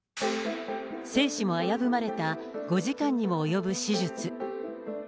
生死も危ぶまれた５時間にも及ぶ手術。